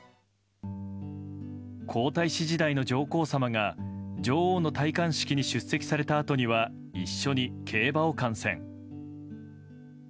皇太子時代の上皇さまが女王の戴冠式に出席されたあとには一緒に競馬を観戦。